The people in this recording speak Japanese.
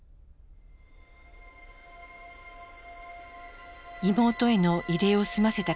妹への慰霊を済ませた帰り道。